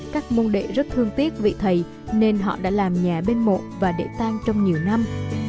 các môn đệ rất thương tiếc vị thầy nên họ đã làm nhà bên một và để tan trong nhiều năm